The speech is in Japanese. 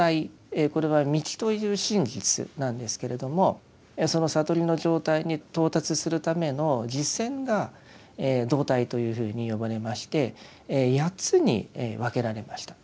これは「道」という真実なんですけれどもその悟りの状態に到達するための実践が道諦というふうに呼ばれまして八つに分けられました。